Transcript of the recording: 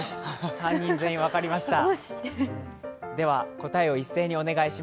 ３人全員分かりました。